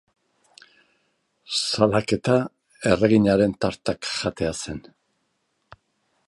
Salaketa erreginaren tartak jatea zen.